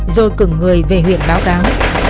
rồi cứng người về huyện báo cáo